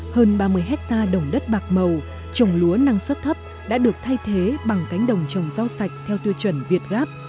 hơn ba mươi hectare đồng đất bạc màu trồng lúa năng suất thấp đã được thay thế bằng cánh đồng trồng rau sạch theo tiêu chuẩn việt gáp